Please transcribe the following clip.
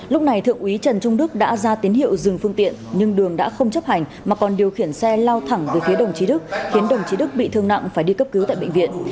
lúc này thượng úy trần trung đức đã ra tín hiệu dừng phương tiện nhưng đường đã không chấp hành mà còn điều khiển xe lao thẳng về phía đồng chí đức khiến đồng chí đức bị thương nặng phải đi cấp cứu tại bệnh viện